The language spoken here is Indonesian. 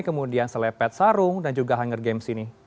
kemudian selepet sarung dan juga hunger games ini